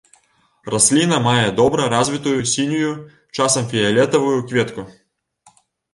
Расліна мае добра развітую сінюю, часам фіялетавую, кветку.